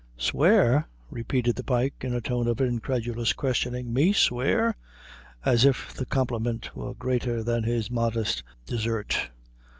"Swear?" repeated the Pike in a tone of incredulous questioning. "Me swear?" as if the compliment were greater than his modest desert.